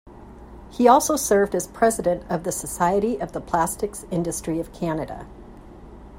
He also served as president of the Society of the Plastics Industry of Canada.